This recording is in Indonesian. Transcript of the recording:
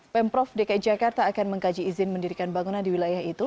pemprov dki jakarta akan mengkaji izin mendirikan bangunan di wilayah itu